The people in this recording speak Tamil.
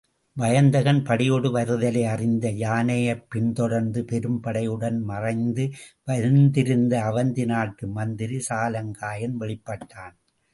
வயந்தகன் படையொடு வருதலையறிந்து யானையைப் பின்தொடர்ந்து பெரும் படையுடன் மறைந்து வந்திருந்த அவந்தி நாட்டு மந்திரி சாலங்காயன் வெளிப்பட்டான்.